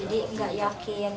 jadi nggak yakin